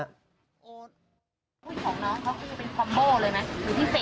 คุณของน้องเขาก็คือเป็นคอมโบลเลยไหม